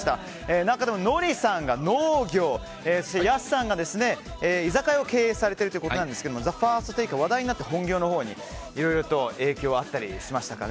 中でもノリさんが農業ヤスさんが居酒屋を経営されているということですが「ＴＨＥＦＩＲＳＴＴＡＫＥ」が話題になって、本業のほうにいろいろと影響はあったりしましたかね？